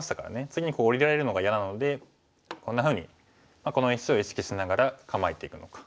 次に下りられるのが嫌なのでこんなふうにこの石を意識しながら構えていくのか。